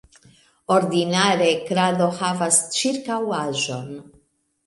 Ordinare krado havas ĉirkaŭaĵon.